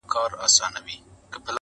د سکندر لېچي وې ماتي -